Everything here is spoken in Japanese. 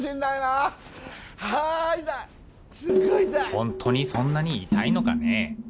本当にそんなに痛いのかねえ。